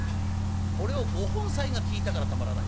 これをご本妻が聞いたからたまらない。